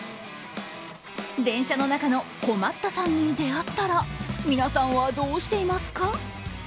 電車の中の困ったさんに出会ったら皆さんはどうしていますか？